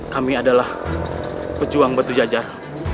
kami adalah pejuang batu jajar